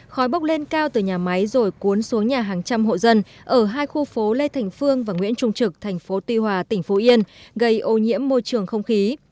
khói bốc lên cao từ nhà máy rồi cuốn xuống nhà hàng trăm hộ dân ở hai khu phố lê thành phương và nguyễn trung trực thành phố tuy hòa tỉnh phú yên gây ô nhiễm môi trường không khí